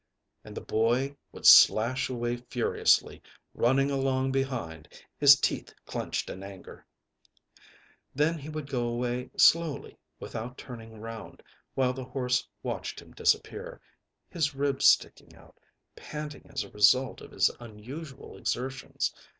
And the boy would slash away furiously, running along behind, his teeth clenched in anger. Then he would go away slowly, without turning round, while the horse watched him disappear, his ribs sticking out, panting as a result of his unusual exertions.